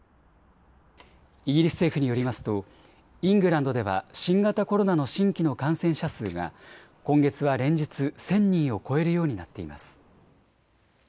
イギリス政府によりますとイングランドでは新型コロナの新規の感染者数が今月は連日１０００人を超えるようになっています。